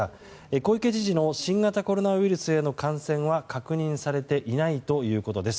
小池知事の新型コロナウイルスへの感染は確認されていないということです。